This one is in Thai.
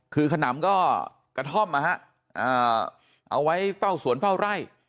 คือขนำก็กระท่อมนะฮะเอาไว้เฝ้าสวนเฝ้าไร่